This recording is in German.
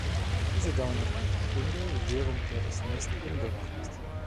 Diese dauern etwa eine Stunde, während der das Nest unbewacht ist.